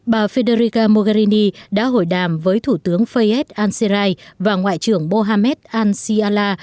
bà federica mogherini đã hội đàm với thủ tướng fayyad al sirai và ngoại trưởng mohamed al siala